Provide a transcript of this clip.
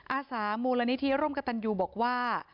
อาสามูลนิธิร่วมกับตันยูบอกว่า